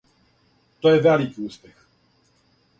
То је велики успех.